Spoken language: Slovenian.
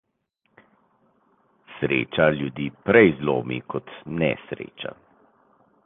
Sreča ljudi prej zlomi kot nesreča.